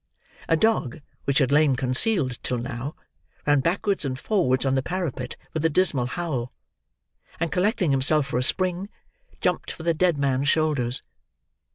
A dog, which had lain concealed till now, ran backwards and forwards on the parapet with a dismal howl, and collecting himself for a spring, jumped for the dead man's shoulders.